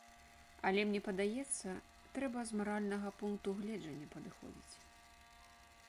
Але мне падаецца, трэба з маральнага пункту гледжання падыходзіць.